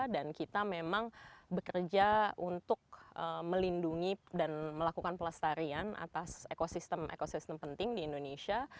dan kita memang bekerja untuk melindungi dan melakukan pelestarian atas ekosistem ekosistem penting di indonesia